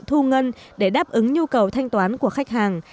thu ngân để đáp ứng nhu cầu thanh toán của khách hàng